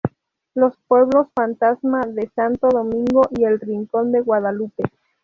Los pueblos fantasma de santo Domingo y el rincón de Guadalupe.